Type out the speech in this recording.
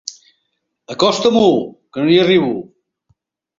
Acosta-m'ho, que no hi arribo.